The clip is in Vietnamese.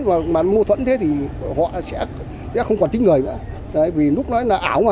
mà mà mâu thuẫn thế thì họ sẽ chắc không còn thích người nữa vì lúc đó là ảo mà